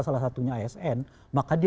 salah satunya asn maka dia